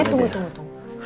eh tunggu tunggu tunggu